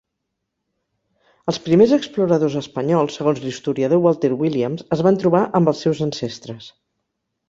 Els primers exploradors espanyols, segons l'historiador Walter Williams, es van trobar amb els seus ancestres.